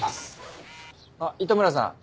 あっ糸村さん。